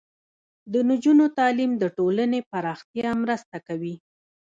د نجونو تعلیم د ټولنې پراختیا مرسته کوي.